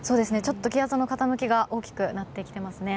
気圧の傾きが大きくなってきていますね。